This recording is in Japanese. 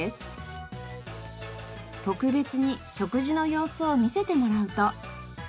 特別に食事の様子を見せてもらうと。